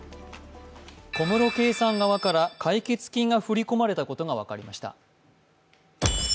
小室圭さん側から解決金が振り込まれたことが分かりました。